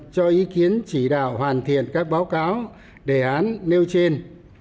cho ý kiến chỉ đạo hoàn thiện các báo cáo đề án nêu trên